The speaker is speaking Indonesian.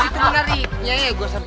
udah udah udah lu